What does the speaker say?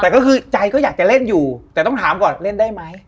แต่ก็คือใจก็อยากจะเล่นอยู่แต่ต้องถามก่อนเล่นได้ไหม